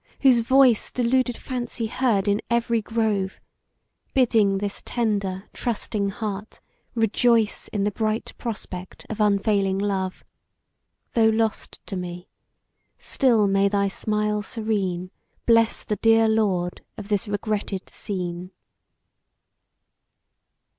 whose voice Deluded Fancy heard in every grove, Bidding this tender, trusting heart, rejoice In the bright prospect of unfailing love: Though lost to me still may thy smile serene Bless the dear lord of this regretted scene.